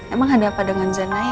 emang ada apa dengan zanaya